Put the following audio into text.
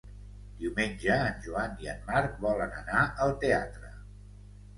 Diumenge en Joan i en Marc volen anar al teatre.